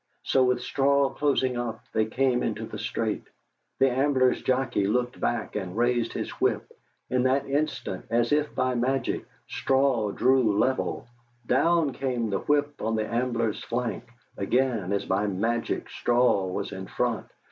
So, with straw closing up, they came into the straight. The Ambler's jockey looked back and raised his whip; in that instant, as if by magic, straw drew level; down came the whip on the Ambler's flank; again as by magic straw was in front.